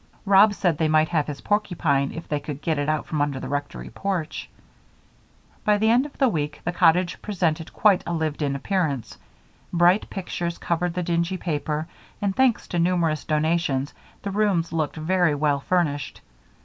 Rob said they might have even his porcupine if they could get it out from under the rectory porch. By the end of the week the cottage presented quite a lived in appearance. Bright pictures covered the dingy paper, and, thanks to numerous donations, the rooms looked very well furnished.